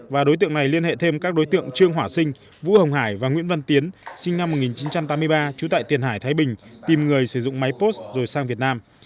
và đối tượng này liên hệ thêm các đối tượng trương hỏa sinh vũ hồng hải và nguyễn văn tiến sinh năm một nghìn chín trăm tám mươi ba trú tại tiền hải thái bình tìm người sử dụng máy post rồi sang việt nam